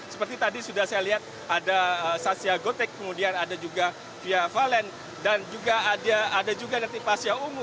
seperti tadi sudah saya lihat ada satya gotek kemudian ada juga fia valen dan juga ada juga nanti pasya ungu